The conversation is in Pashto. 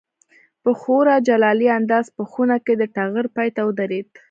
په خورا جلالي انداز په خونه کې د ټغر پای ته ودرېد.